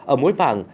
ở mỗi bảng